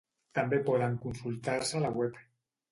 També poden consultar-se a la web.